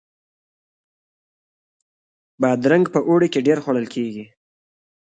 بادرنګ په اوړي کې ډیر خوړل کیږي